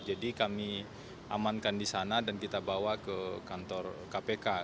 jadi kami amankan di sana dan kita bawa ke kantor kpk